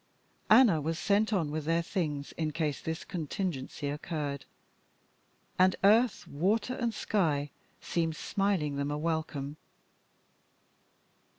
Anna was sent on with their things in case this contingency occurred. And earth, water and sky seemed smiling them a welcome.